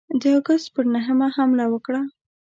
د آګسټ پر نهمه حمله وکړه.